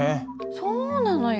そうなのよ。